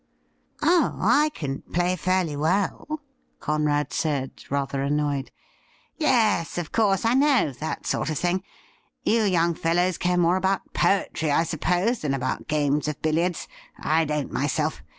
' Oh, I can play fairly well,' Conrad said, rather annoyed. ' Yes, of course, I know — ^that sort of thing. You young fellows care more about poetry, I suppose, than about games of billiards. I don't myself.